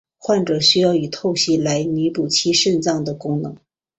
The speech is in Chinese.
患者需要以透析来弥补其肾脏的功能。